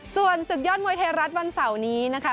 ส่วนศึกยอดมวยไทยรัฐวันเสาร์นี้นะคะ